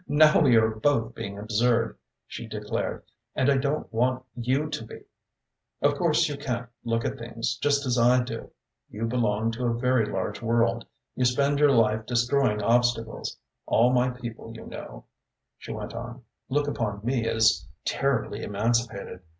"Now we are both being absurd," she declared, "and I don't want to be and I don't want you to be. Of course, you can't look at things just as I do. You belong to a very large world. You spend your life destroying obstacles. All my people, you know," she went on, "look upon me as terribly emancipated.